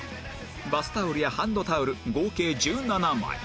バスタオルやハンドタオル合計１７枚